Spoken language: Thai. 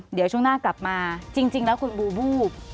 เดี๋ยวช่วงหน้ากลับมาจริงแล้วคุณบูวูบ